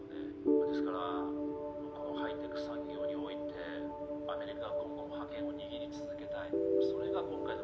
まあですからこのハイテク産業においてアメリカが今後も覇権を握り続けたいそれが今回の。